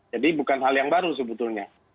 jadi bukan hal yang baru sebetulnya